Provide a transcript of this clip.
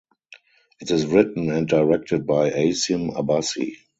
It is written and directed by Asim Abbasi.